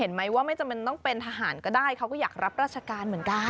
ไหมว่าไม่จำเป็นต้องเป็นทหารก็ได้เขาก็อยากรับราชการเหมือนกัน